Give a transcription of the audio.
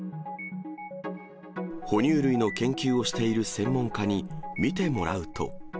哺乳類の研究をしている専門家に見てもらうと。